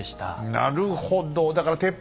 なるほど。